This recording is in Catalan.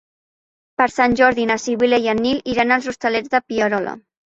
Per Sant Jordi na Sibil·la i en Nil iran als Hostalets de Pierola.